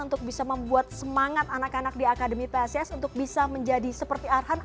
untuk bisa membuat semangat anak anak di akademi psis untuk bisa menjadi seperti arhan